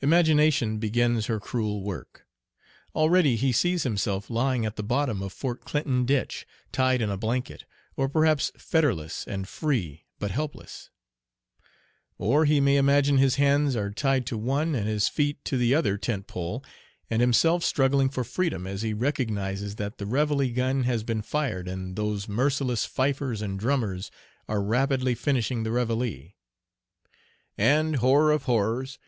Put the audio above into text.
Imagination begins her cruel work. Already he sees himself lying at the bottom of Fort Clinton Ditch tied in a blanket, or perhaps fetterless and free, but helpless. Or he may imagine his hands are tied to one, and his feet to the other tent pole, and himself struggling for freedom as he recognizes that the reveille gun has been fired and those merciless fifers and drummers are rapidly finishing the reveille. And, horror of horrors!